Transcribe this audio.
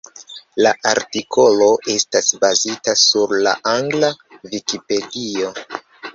La artikolo estas bazita sur la angla Vikipedio.